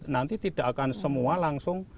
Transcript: nanti tidak akan semua langsung